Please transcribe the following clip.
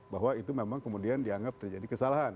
bahwa itu memang kemudian dianggap terjadi kesalahan